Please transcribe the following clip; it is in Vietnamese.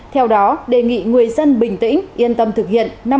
theo đó đề nghị người dân bình tĩnh yên tâm thực hiện